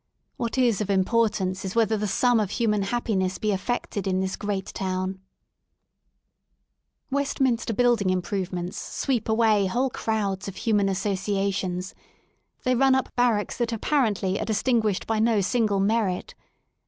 What is of importance is whether the sum of human happiness be affected in this great town Westminster Building Improvements sweep away whole crowds of human associations: they run up barracks that apparently are distinguished by no single merit.